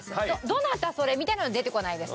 「どなた？それ」みたいなのは出てこないですので。